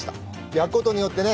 焼くことによってね